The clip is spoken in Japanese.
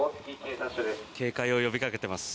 警戒を呼びかけています。